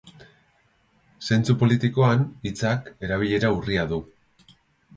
Zentzu politikoan, hitzak erabilera urria du.